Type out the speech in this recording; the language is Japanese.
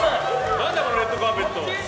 何だこのレッドカーペット。